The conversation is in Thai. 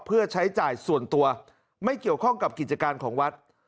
เพื่อใช้จ่ายส่วนตัวไม่เกี่ยวข้องกับกิจการของวัด